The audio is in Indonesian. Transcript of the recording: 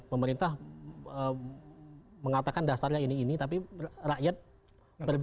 pemerintah mengatakan dasarnya ini ini tapi rakyat berbeda